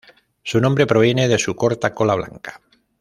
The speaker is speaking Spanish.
Su nombre proviene de su corta cola blanca.